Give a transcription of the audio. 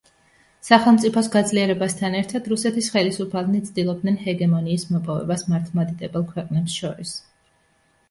სახელმწიფოს გაძლიერებასთან ერთად რუსეთის ხელისუფალნი ცდილობდნენ ჰეგემონიის მოპოვებას მართლმადიდებელ ქვეყნებს შორის.